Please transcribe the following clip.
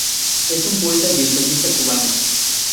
Es un poeta y ensayista cubano.